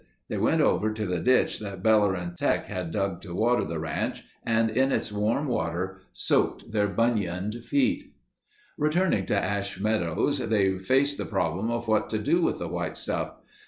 They went over to the ditch that Bellerin' Teck had dug to water the ranch and in its warm water soaked their bunioned feet." Returning to Ash Meadows they faced the problem of what to do with the "white stuff."